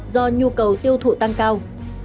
do nhu cầu tiêu thụ tăng cao